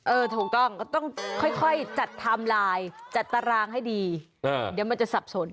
ถูกต้องก็ต้องค่อยจัดไทม์ไลน์จัดตารางให้ดีเดี๋ยวมันจะสับสน